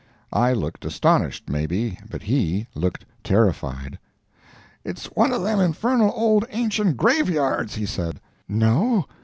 I looked astonished, maybe, but he looked terrified. "It's one of them infernal old ancient graveyards!" he said. "No?